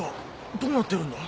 どうなってるんだ？